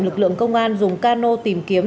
lực lượng công an dùng cano tìm kiếm